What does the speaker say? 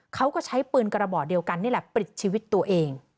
เขาก็ใช้ปืนกระบอกเดียวกันนี่แหละปลิดชีวิตตัวเอง